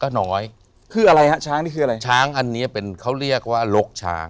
น้อยคืออะไรฮะช้างนี่คืออะไรช้างอันนี้เป็นเขาเรียกว่าลกช้าง